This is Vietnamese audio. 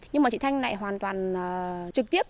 nhưng mà chị thanh lại hoàn toàn trực tiếp